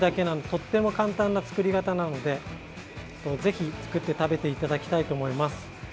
とっても簡単な作り方なのでぜひ、作って食べていただきたいと思います。